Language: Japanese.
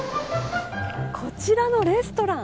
こちらのレストラン